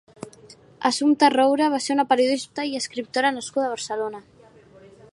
Assumpta Roura va ser una periodista i escriptora nascuda a Barcelona.